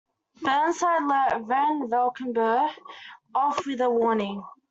Burnside let VanValkenburgh off with a warning.